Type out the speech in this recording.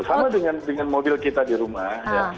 sama dengan mobil kita di rumah ya